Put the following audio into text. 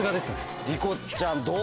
りこちゃんどう？